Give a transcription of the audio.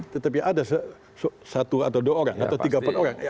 tetapi ada satu atau dua orang atau tiga puluh orang